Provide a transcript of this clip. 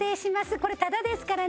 これタダですからね。